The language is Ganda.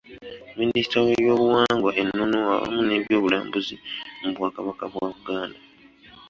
Minisita w’ebyobuwangwa, ennono awamu n’ebyobulambuzi mu Bwakabaka bwa Buganda.